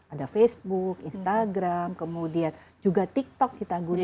ada facebook instagram kemudian juga tiktok kita gunakan